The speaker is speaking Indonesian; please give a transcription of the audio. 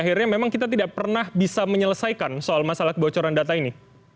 akhirnya memang kita tidak pernah bisa menyelesaikan soal masalah kebocoran data ini